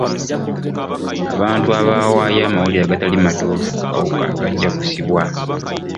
Abantu abawaayo amawulire agatali matuufu ku kawuka bajja kusibwa.